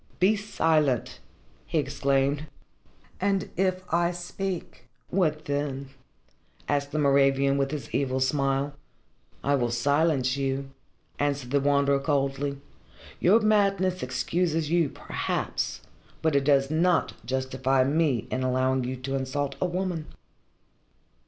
"Be silent!" he exclaimed. "And if I speak, what then?" asked the Moravian with his evil smile. "I will silence you," answered the Wanderer coldly. "Your madness excuses you, perhaps, but it does not justify me in allowing you to insult a woman."